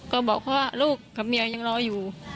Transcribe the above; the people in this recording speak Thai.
ก็บอกเขาว่าลูกกับเมียยังรออยู่